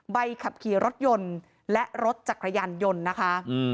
ใบขับขี่รถยนต์และรถจักรยานยนต์นะคะ